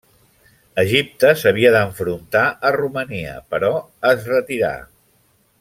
Egipte s'havia d'enfrontar a Romania però es retirà.